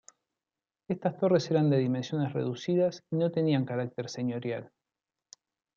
Estas torres eran de dimensiones reducidas y no tenían carácter señorial.